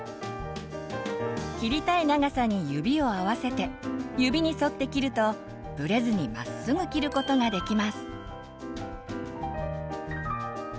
切りたい長さに指を合わせて指に沿って切るとブレずにまっすぐ切ることができます。